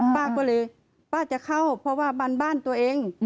ป้าก็เลยป้าจะเข้าเพราะว่ามันบ้านตัวเอง